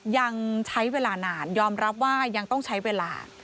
ยังใช้เวลานานยอมรับว่ายังต้องใช้เวลา